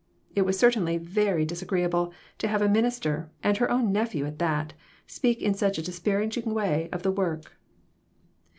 It was certainly very disa greeable to have a minister, and her own nephew at that, speak in such a disparaging way of the work.